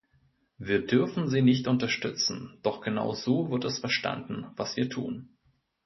Wir dürfen sie nicht unterstützen doch genau so wird es verstanden, was wir tun.